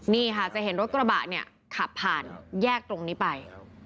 นี่ค่ะสามารถจะเห็นรถกระบะขับผ่านแยกตรงนี้ไป